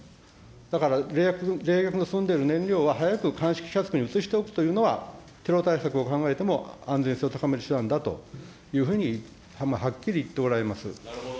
だから、冷却の進んでる燃料は、早く乾式キャスクに移しておくというのは、テロ対策を考えても安全性を高める手段だとはっきり言っておられます。